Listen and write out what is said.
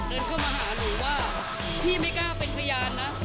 เดินเข้ามาหาหนูว่าพี่ไม่กล้าเป็นพยานนะ